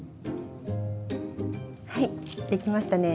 はいできましたね